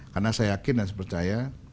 karena saya yakin dan saya percaya